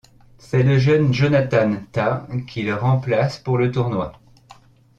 C'est le jeune Jonathan Tah qui le remplace pour le tournoi.